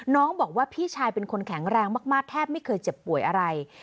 น้องบอกว่าพี่ชายเป็นคนแข็งแรงมากแทบไม่เคยเจ็บป่วยอะไร